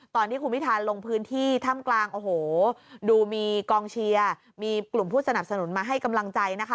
ตอนที่คุณพิธาลงพื้นที่ถ้ำกลางโอ้โหดูมีกองเชียร์มีกลุ่มผู้สนับสนุนมาให้กำลังใจนะคะ